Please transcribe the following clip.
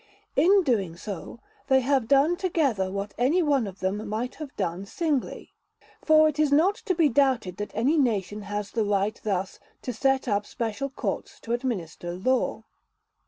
In doing so, they have done together what any one of them might have done singly; for it is not to be doubted that any nation has the right thus to set up special courts to administer law.